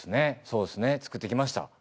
そうっすね作ってきました。